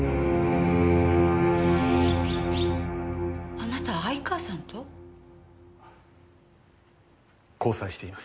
あなた愛川さんと？交際しています。